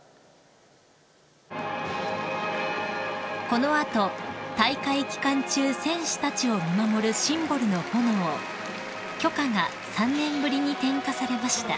［この後大会期間中選手たちを見守るシンボルの炎炬火が３年ぶりに点火されました］